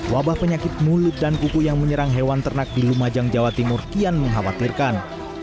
wabah penyakit mulut dan kuku yang menyerang hewan ternak di lumajang jawa timur kian mengkhawatirkan